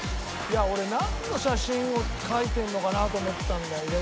いや俺なんの写真を描いてるのかなと思ったんだよ。